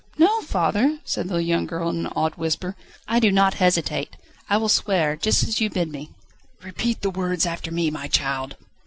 "No, father," said the young girl in an awed whisper, "I do not hesitate. I will swear, just as you bid me." "Repeat the words after me, my child."